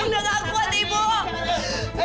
nona gak kuat ibu